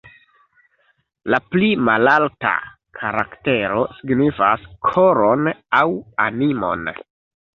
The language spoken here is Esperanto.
La pli malalta karaktero signifas "koron" aŭ "animon".